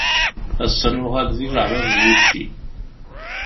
Ass-a nuɣal d ijeɛbab n wučči.